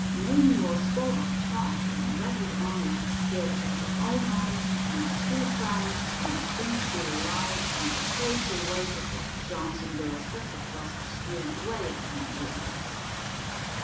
Mame was full of talk and rattled on like a kid about her old home and her school pranks and the things she liked and the hateful ways of those Johnson girls just across the street, 'way up in Indiana.